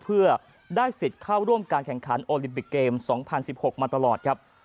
เพื่อได้สิทธิ์เข้าร่วมการแข่งขันโอลิมปิกเกม๒๐๑๖มาตลอดครับ